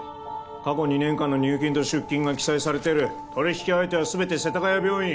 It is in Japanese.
過去２年間の入金と出金が記載されている取引相手は全て世田谷病院